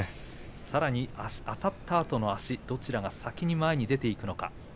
さらにあたったあとの足どちらが先に前に出ていくのか。